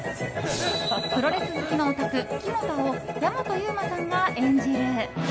プロレス好きのオタク、肝田を矢本悠馬さんが演じる。